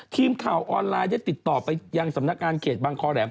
ทีมข่าวออนไลน์ได้ติดต่อไปยังสำนักงานเขตบางคอแหลม